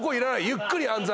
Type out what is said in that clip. ゆっくり暗算。